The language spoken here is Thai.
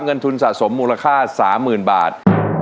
เงินทุนสะสมมูลค่าสามหมื่นบาท